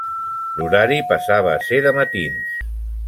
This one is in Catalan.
L'horari passava a ser de matins.